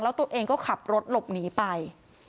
แล้วตัวเองก็ขับรถหลบหนีไป